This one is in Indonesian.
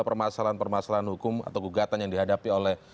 ya setahun lebih